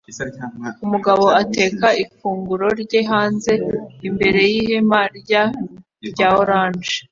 Umugabo ateka ifunguro rye hanze imbere yihema rye rya orange